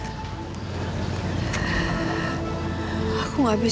tapi aku juga akan mengambil kamu dari kompetisimu